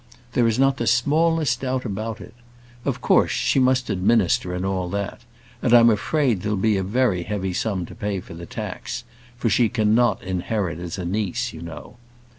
There is not the smallest doubt about it. Of course, she must administer, and all that; and I'm afraid there'll be a very heavy sum to pay for the tax; for she cannot inherit as a niece, you know.